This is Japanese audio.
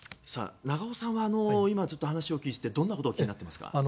長尾さんはずっと話を聞いててどんなことが気になっていますか？